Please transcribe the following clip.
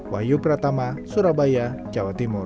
wahyu pratama surabaya jawa timur